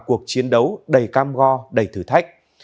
cuộc chiến đấu đầy cam go đầy thử thách